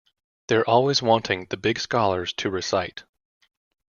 They’re always wanting the big scholars to recite.